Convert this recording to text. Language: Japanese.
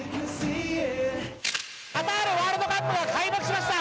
カタールワールドカップが開幕しました。